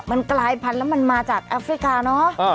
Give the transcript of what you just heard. มันกลายพันธุ์แล้วมันมาจากแอฟริกาเนอะ